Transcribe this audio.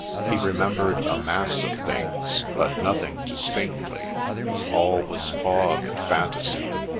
— he remembered ' a mass of things, but nothing distinctly '; all was fog and fantasy.